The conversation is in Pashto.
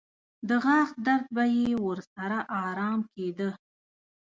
د غاښ درد به یې ورسره ارام کېده.